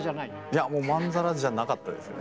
いやもうまんざらじゃなかったですよね。